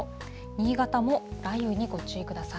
新潟も雷雨にご注意ください。